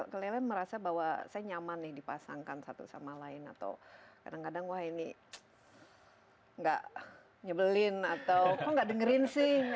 kalian merasa bahwa saya nyaman nih dipasangkan satu sama lain atau kadang kadang wah ini nggak nyebelin atau kok nggak dengerin sih